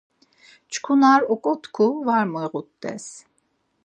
Çkin ar oǩotku va miğut̆es.